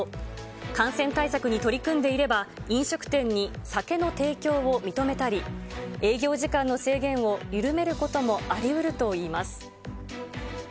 感染対策に取り組んでいれば、飲食店に酒の提供を認めたり、営業時間の制限を緩めることもありうるといいます。